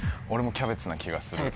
キャベツな気がする？